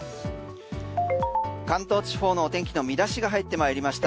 関東地方のお天気の見出しが入ってまいりました